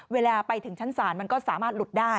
เวลาไปถึงชั้นศาลมันก็สามารถหลุดได้